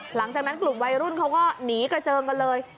หลังจากนั้นกลุ่มวัยรุ่นเขาก็หนีกระเจิงกันเลย